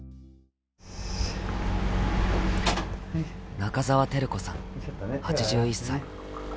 中澤照子さん８１歳。